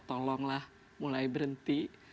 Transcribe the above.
tolonglah mulai berhenti